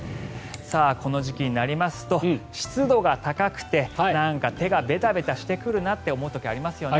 この時期になりますと湿度が高くてなんか手がベタベタしてくるなって思う時ありますよね。